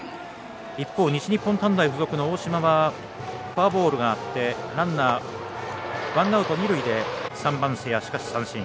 一方、西日本短大付属の大嶋はフォアボールがあってランナー、ワンアウト、二塁で３番、瀬谷、三振。